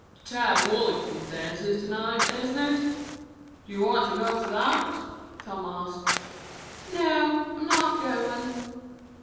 "The Tad Wallington dance is to night, isn't it? Do you want to go to that?" Tom asked. "No, I'm not going."